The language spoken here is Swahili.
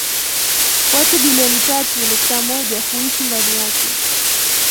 Watu bilioni tatu nukta moja huishi ndani yake